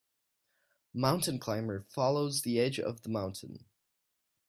A mountain climber follows the edge of the mountain.